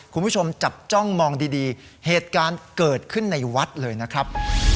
คุณผู้ชมจับจ้องมองดีเหตุการณ์เกิดขึ้นในวัดเลยนะครับ